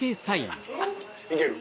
いける？